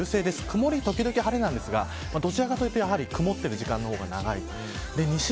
曇り時々晴れなんですがどちらかというと曇っている時間の方が長い。